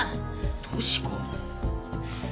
俊子。